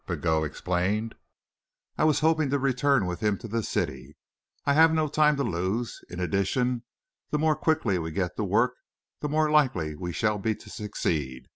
Pigot explained. "I was hoping to return with him to the city. I have no time to lose. In addition, the more quickly we get to work, the more likely we shall be to succeed.